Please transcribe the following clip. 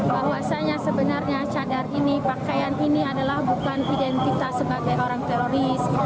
bahwasannya sebenarnya cadar ini pakaian ini adalah bukan identitas sebagai orang teroris